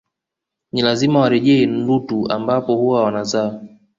Ni lazima warejee Ndutu ambapo huwa wanazaa